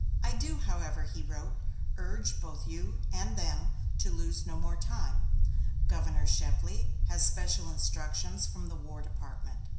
"I do, however," he wrote, "urge both you and them to lose no more time. Governor Shepley has special instructions from the War Department.